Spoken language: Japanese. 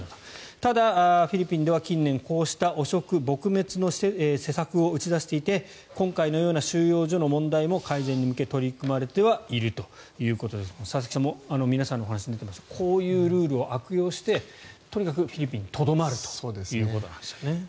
ただ、フィリピンでは近年こうした汚職撲滅の施策を打ち出していて今回のような収容所の問題も改善に向け取り組まれてはいるということですが佐々木さんも皆さんのお話に出ていますがこういうルールを悪用してとにかくフィリピンにとどまるといことなんですね。